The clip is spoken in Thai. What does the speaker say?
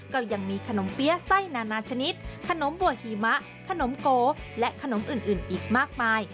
ก็ยังมีขนมเปี๊ยะไส้นานาชนิดขนมบัวหิมะขนมโกและขนมอื่นอีกมากมาย